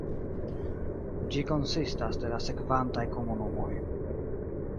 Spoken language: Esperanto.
Ĝi konsistas de la sekvantaj komunumoj.